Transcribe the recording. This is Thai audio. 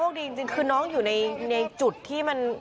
ดีจริงคือน้องอยู่ในจุดที่มัน